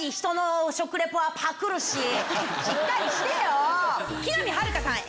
しっかりしてよ！